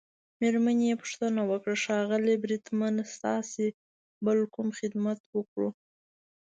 مېرمنې يې پوښتنه وکړه: ښاغلی بریدمنه، ستاسي بل کوم خدمت وکړو؟